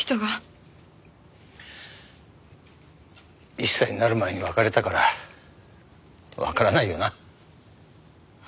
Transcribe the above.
１歳になる前に別れたからわからないよな。